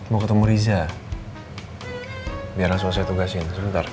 mau ketemu riza biar langsung saya tugasin sebentar